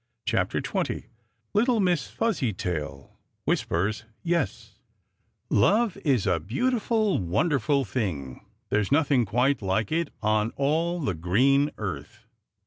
CHAPTER XX LITTLE MISS FUZZYTAIL WHISPERS "YES" Love is a beautiful, wonderful thing. There's nothing quite like it on all the green earth.